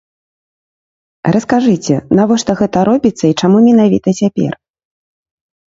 Раскажыце, навошта гэта робіцца і чаму менавіта цяпер?